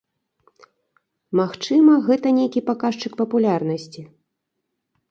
Магчыма, гэта нейкі паказчык папулярнасці.